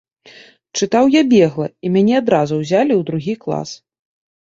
Чытаў я бегла, і мяне адразу ўзялі ў другі клас.